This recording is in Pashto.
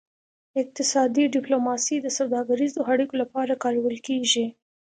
اقتصادي ډیپلوماسي د سوداګریزو اړیکو لپاره کارول کیږي